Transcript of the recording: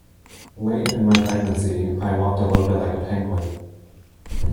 Late in my pregnancy, I walked a little bit like a Penguin.